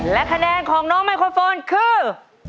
และคะแนนของน้องไมโครโฟนคือ